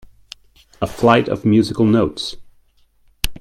A flight of musical notes.